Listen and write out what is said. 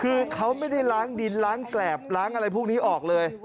คือเขาไม่ได้ล้างดินล้างแกรบล้างอะไรพวกนี้ออกเลย